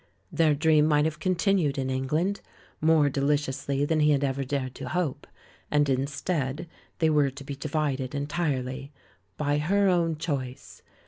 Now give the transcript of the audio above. Their dream might have continued in England, more deli ciously than he had ever dared to hope, and, in stead, they were to be divided entirely, by her own choice!